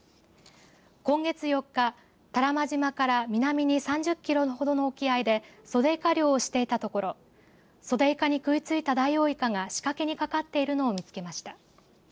今月４日、多良間島から南に３０キロのほどの沖合でソデイカ漁をしていたところソデイカに食いついたダイオウイカが仕掛けにかかっているのを見つけました。